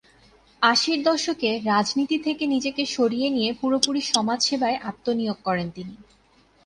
আশির দশকে রাজনীতি থেকে নিজেকে সরিয়ে নিয়ে পুরোপুরি সমাজসেবায় আত্মনিয়োগ করেন তিনি।